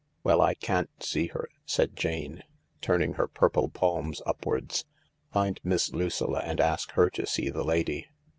" Well, I can't see her," said Jane, turning her purple palms upwards. "Find Miss Lucilla and ask her to see the lady."